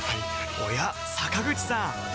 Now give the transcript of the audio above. おや坂口さん